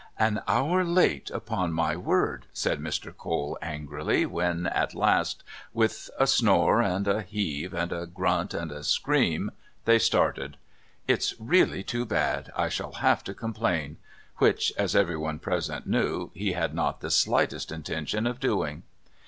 "An hour late, upon my word," said Mr. Cole angrily, when at last, with a snore and a heave, and a grunt and a scream, they started. "It's really too bad. I shall have to complain," which, as everyone present knew, he had not the slightest intention of doing.